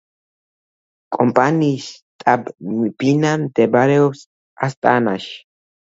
კომპანიის შტაბ-ბინა მდებარეობს ასტანაში.